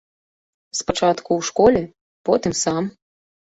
Спачатку ў школе, потым сам.